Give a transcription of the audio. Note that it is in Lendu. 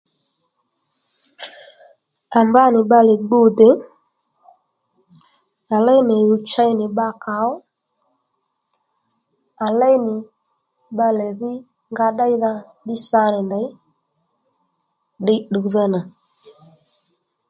À mba nì bbalè gbu dè à léy nì ɦùw chey nì bbakà ó à léy nì bbalè dhí nga ddéydha ddí sa nì ndèy ddiy tdùwdha nà